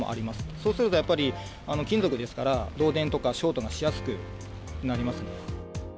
そうするとやっぱり、金属ですから、漏電とかショートがしやすくなります。